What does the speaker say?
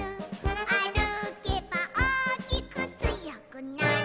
「あるけばおおきくつよくなる」